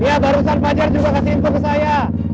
iya barusan pajar juga kasih info ke saya